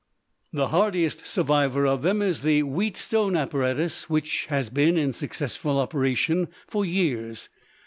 The hardiest survivor of them is the Wheatstone apparatus, which has been in successful operation for years.